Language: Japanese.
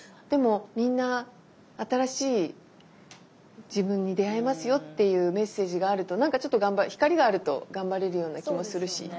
でもみんな新しい自分に出会えますよっていうメッセージがあると何かちょっと光があると頑張れるような気もするし。